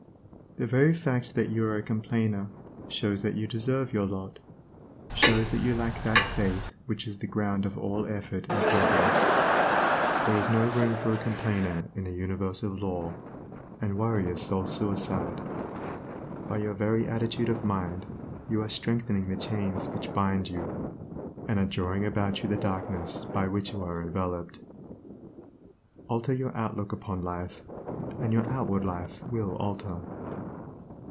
The very fact that you are a complainer, shows that you deserve your lot; shows that you lack that faith which is the ground of all effort and progress. There is no room for a complainer in a universe of law, and worry is soul suicide. By your very attitude of mind you are strengthening the chains which bind you, and are drawing about you the darkness by which you are enveloped, Alter your outlook upon life, and your outward life will alter.